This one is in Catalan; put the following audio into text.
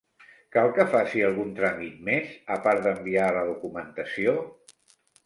Cal que faci algun tràmit més a part d'enviar la documentació?